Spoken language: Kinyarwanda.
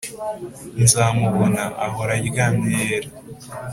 nzamubona ahora aryamye yera -